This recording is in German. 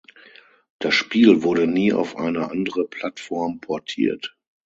Das Spiel wurde nie auf eine andere Plattform portiert.